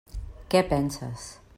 Què penses?